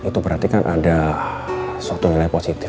itu berarti kan ada suatu nilai positif